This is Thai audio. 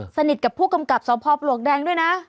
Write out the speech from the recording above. สนิทกับผู้กำกับสพปลวกแดงด้วยนะ